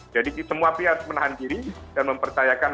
jadi semua pihak harus menahan diri dan mempercayakan